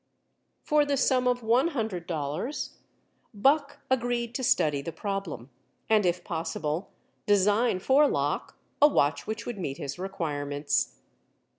For the sum of one hundred dollars Buck agreed to study the problem, and, if possible, design for Locke a watch which would meet his requirements.